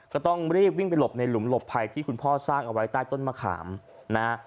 ก็ต้องรีบวิ่งไปหลบในหลุมหลบภัยที่คุณพ่อสร้างเอาไว้ใต้ต้นมะขามนะฮะ